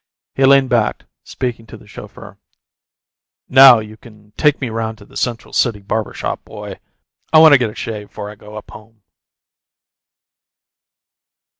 He leaned back, speaking to the chauffer. "Now you can take me around to the Central City barber shop, boy. I want to get a shave 'fore I go up home."